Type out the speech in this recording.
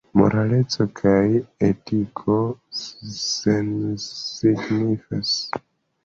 Moraleco kaj etiko sensignifas.